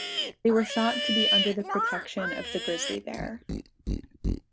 They were thought to be under the protection of the grizzly bear.